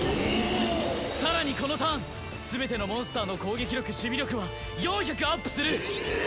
さらにこのターンすべてのモンスターの攻撃力守備力は４００アップする！